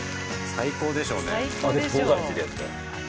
最高でしょう。